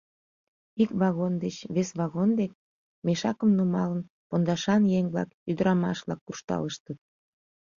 Ик вагон деч вес вагон дек, мешакым нумалын, пондашан еҥ-влак, ӱдырамаш-влак куржталыштыт.